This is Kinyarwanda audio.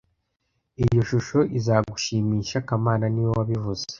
Iyo shusho izagushimisha kamana niwe wabivuze